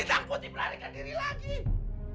lintang putih menarikkan diri lagi